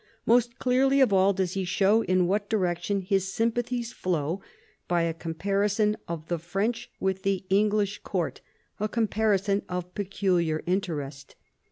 Most clearly of all does he show in what direction his sympathies flow by a comparison of the French with the English court — a comparison of peculiar interest.